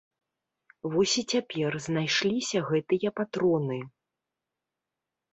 Вось і цяпер знайшліся гэтыя патроны.